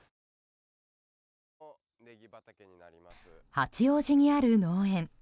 八王子にある農園。